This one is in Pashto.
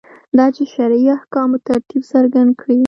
دا چې شرعي احکامو ترتیب څرګند کړي.